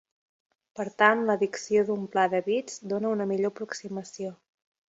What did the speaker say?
Per tant, l'addició d'un pla de bits dóna una millor aproximació.